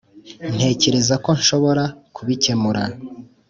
(ntekereza ko nshobora kubikemura